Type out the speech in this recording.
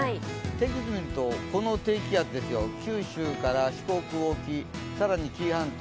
天気図を見ると、この低気圧ですよ九州から四国沖更に紀伊半島。